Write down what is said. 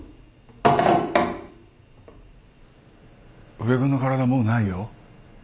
宇部君の体もうないよ。